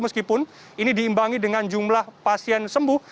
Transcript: meskipun ini diimbangi dengan jumlah pasien sembuh